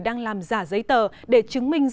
đang làm giả giấy tờ để chứng minh dương